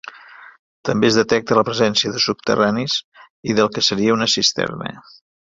També es detecta la presència de subterranis i del que seria una cisterna.